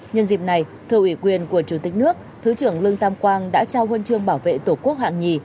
nhân dịp này thưa ủy quyền của chủ tịch nước thứ trưởng lương tam quang đã trao huân chương bảo vệ tổ quốc hạng nhì